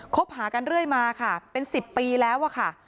คบหากันเรื่อยมาค่ะเป็น๑๐ปีแล้วอะค่ะ